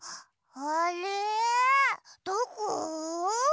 あれどこ？